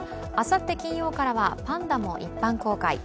あさって金曜からはパンダも一般公開。